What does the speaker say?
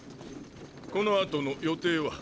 このあとの予定は？